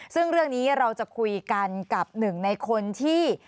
ซึ่งเรื่องนี้เราจะคุยกันกับหนึ่งในคนที่